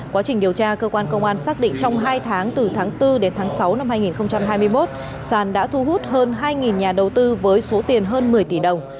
quá trình điều tra cơ quan công an xác định trong hai tháng từ tháng bốn đến tháng sáu năm hai nghìn hai mươi một sàn đã thu hút hơn hai nhà đầu tư với số tiền hơn một mươi tỷ đồng